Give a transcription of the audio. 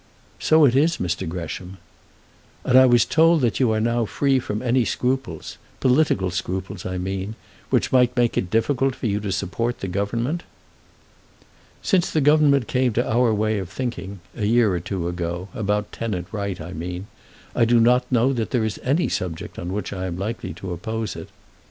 "So it is, Mr. Gresham." "And I was told that you are now free from any scruples, political scruples, I mean, which might make it difficult for you to support the Government." "Since the Government came to our way of thinking, a year or two ago, about Tenant Right, I mean, I do not know that there is any subject on which I am likely to oppose it.